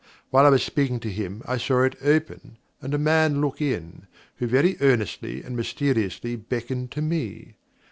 While I was speaking to him I saw it open, and a man look in, who very earnestly and mysteriously beckoned to me.